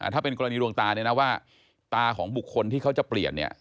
ถ้าเป็นกรณีดวงตาตาของบุคคลที่เขาจะเปลี่ยน